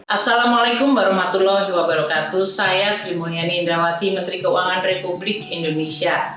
assalamualaikum warahmatullahi wabarakatuh saya sri mulyani indrawati menteri keuangan republik indonesia